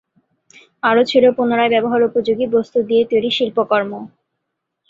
আরো ছিলো পুনরায় ব্যবহার উপযোগী বস্তু দিয়ে তৈরি শিল্পকর্ম।